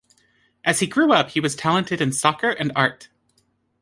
As he grew up he was talented in soccer and art.